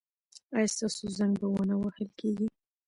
ایا ستاسو زنګ به و نه وهل کیږي؟